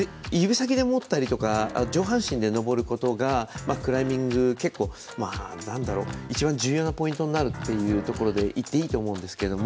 指先で持ったり上半身で登ることがクライミング、結構一番、重要なポイントになるというところで言っていいと思うんですけど。